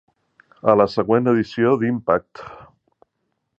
A la següent edició d''Impact!'